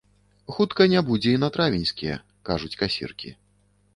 Хутка не будзе і на травеньскія, кажуць касіркі.